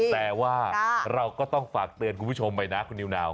แต่ว่าเราก็ต้องฝากเตือนคุณผู้ชมไปนะคุณนิวนาว